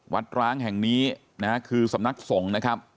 ร้างแห่งนี้นะฮะคือสำนักสงฆ์นะครับ